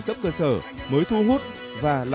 cấp cơ sở mới thu hút và là